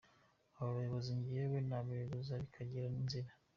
Abo bayobozi njyewe nabeguza bikagira inzira.